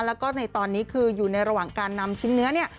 แล้วก็ในตอนนี้คืออยู่ในระหว่างการนำชิ้นเนื้อเนี่ย